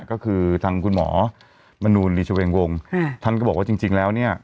ก็คือทางคุณหมอมนูลลีชเวงวงท่านก็บอกว่าจริงแล้วเนี่ย